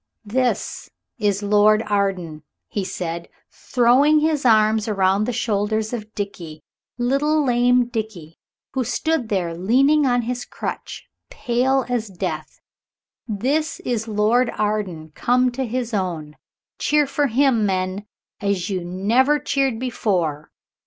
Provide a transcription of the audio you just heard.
This is Lord Arden," he said, throwing his arm round the shoulders of Dickie, little lame Dickie, who stood there leaning on his crutch, pale as death. "This is Lord Arden, come to his own. Cheer for him, men, as you never cheered before.